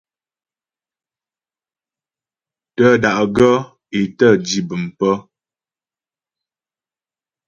Tə́́ da'gaə́ é tə́ dǐ bəm pə̀.